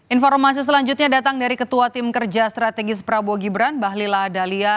informasi selanjutnya datang dari ketua tim kerja strategis prabowo gibran bahlila dalia